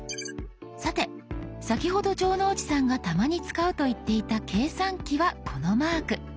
さて先ほど城之内さんがたまに使うと言っていた計算機はこのマーク。